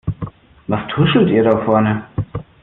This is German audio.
Was tuschelt ihr da vorne?